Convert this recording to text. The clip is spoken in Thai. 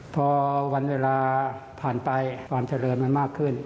พอวันเวลาผ่านไปความเจริญมันมากขึ้น